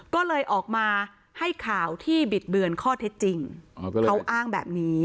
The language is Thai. ก็เลยออกมาให้ข่าวที่บิดเบือนข้อเท็จจริงเขาอ้างแบบนี้